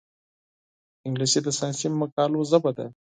انګلیسي د ساینسي مقالو ژبه ده